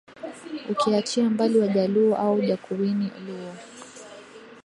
Ukiachia mbali Wajaluo au Jakowiny Luo